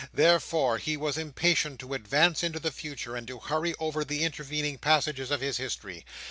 Therefore he was impatient to advance into the future, and to hurry over the intervening passages of his history.